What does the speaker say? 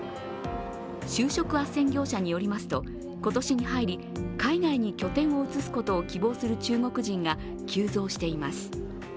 就職あっせん業者によりますと今年に入り海外に拠点を移すことを希望する中国人が急増しています。